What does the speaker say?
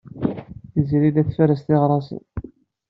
Tiziri la tferres tiɣrasin.